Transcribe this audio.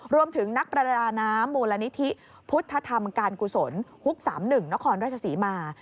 รวมถึงนักประดานามมูลนิธิพุทธธรรมการกุศลฮุก๓๑นครราชสีมา